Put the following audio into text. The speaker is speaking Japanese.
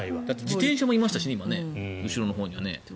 自転車もいましたしね後ろのほうにはね。